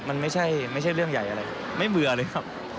มันไม่ใช่เรื่องใหญ่อะไรไม่เบื่อเลยครับ